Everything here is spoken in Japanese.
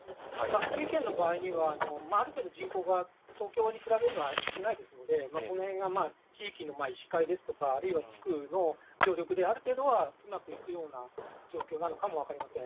福井県の場合には、ある程度、人口が東京に比べると、少ないですので、このへんが地域の医師会ですとか、あるいは地区の強力で、ある程度はうまくいくような状況なのかもわかりません。